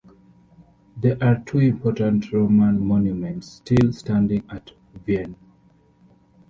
There are two important Roman monuments still standing at Vienne.